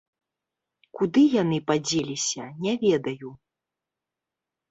Куды яны падзеліся, не ведаю.